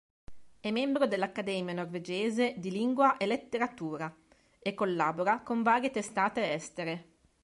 È membro dell'Accademia norvegese di Lingua e Letteratura, e collabora con varie testate estere.